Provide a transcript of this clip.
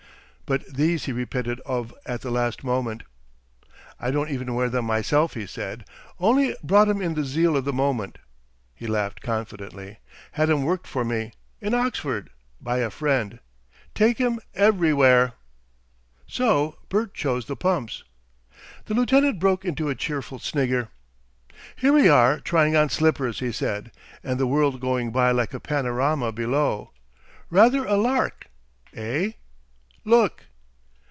But these he repented of at the last moment. "I don't even wear them myself," he said. "Only brought 'em in the zeal of the moment." He laughed confidentially. "Had 'em worked for me in Oxford. By a friend. Take 'em everywhere." So Bert chose the pumps. The lieutenant broke into a cheerful snigger. "Here we are trying on slippers," he said, "and the world going by like a panorama below. Rather a lark, eh? Look!"